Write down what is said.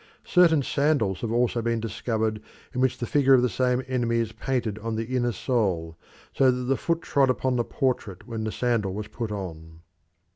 Certain sandals have also been discovered in which the figure of the same enemy is painted on the inner sole, so that the foot trod upon the portrait when the sandal was put on.